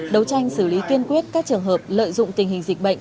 đấu tranh xử lý kiên quyết các trường hợp lợi dụng tình hình dịch bệnh